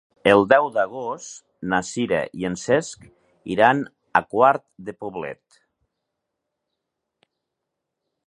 El deu d'agost na Sira i en Cesc iran a Quart de Poblet.